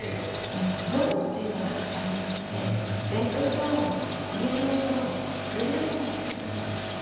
ゾーンっていうのがありましてレッドゾーンイエローゾーングレーゾーンっていうのがあるんです。